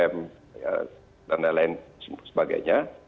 tiga m dan lain lain sebagainya